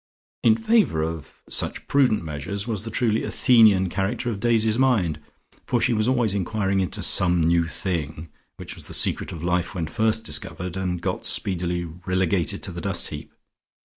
In favour of such prudent measures was the truly Athenian character of Daisy's mind, for she was always enquiring into "some new thing," which was the secret of life when first discovered, and got speedily relegated to the dust heap.